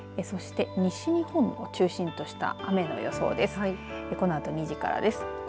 そして西日本を中心とした雨の予想です。